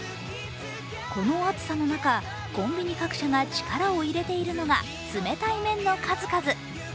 この暑さの中、コンビニ各社が力を入れているのが冷たい麺の数々。